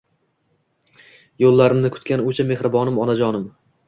Yullarimni kutgan usha mexribonim Onajon